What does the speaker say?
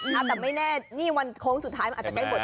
แต่ไม่แน่นี่วันโค้งสุดท้ายมันอาจจะใกล้บท